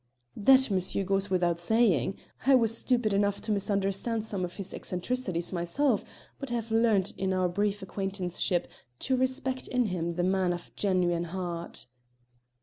"That, monsieur, goes without saying! I was stupid enough to misunderstand some of his eccentricities myself, but have learned in our brief acquaintanceship to respect in him the man of genuine heart."